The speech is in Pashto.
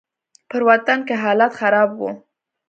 په وطن کښې حالات خراب وو.